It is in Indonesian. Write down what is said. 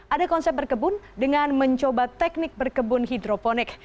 ada konsep berkebun dengan mencoba teknik berkebun hidroponik